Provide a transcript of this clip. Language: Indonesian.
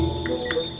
tapi saya tahu